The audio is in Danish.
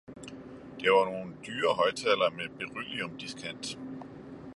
Det var nogle dyre højtalere med beryllium diskant.